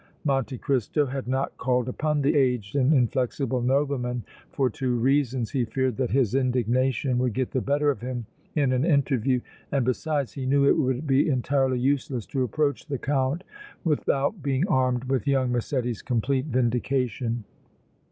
Monte Cristo had not called upon the aged and inflexible nobleman for two reasons he feared that his indignation would get the better of him in an interview and, besides, he knew it would be entirely useless to approach the Count without being armed with young Massetti's complete vindication.